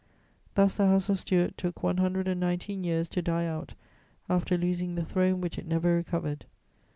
Thus the House of Stuart took one hundred and nineteen years to die out after losing the throne which it never recovered.